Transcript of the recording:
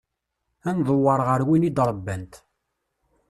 Ad ndewweṛ ɣer win i d-ṛebbant.